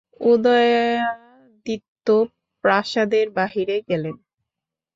উদয়াদিত্য প্রাসাদের বাহিরে গেলেন।